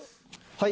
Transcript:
はい。